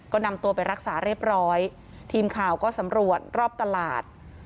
ก็นำตัวไปรักษาเรียบร้อยทีมข่าวก็สำรวจรอบตลาด